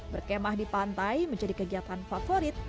berkemah di pantai menjadi kegiatan favorit